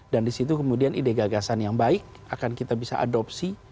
dan di situ kemudian ide gagasan yang baik akan kita bisa adopsi